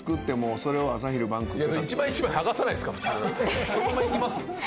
「そのままいきます？」